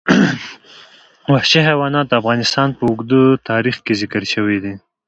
وحشي حیوانات د افغانستان په اوږده تاریخ کې ذکر شوی دی.